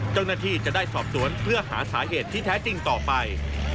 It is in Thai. เจ้าหน้าที่จะได้สอบสวนเพื่อหาสาเหตุที่แท้จริงต่อไป